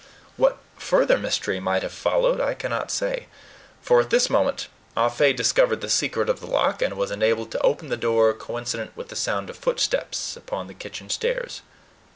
What further mystery might have followed, I cannot say; for at this moment Ah Fe discovered the secret of the lock, and was enabled to open the door coincident with the sound of footsteps upon the kitchen stairs.